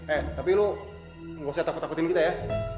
eh tapi lu gak usah takut takutin kita ya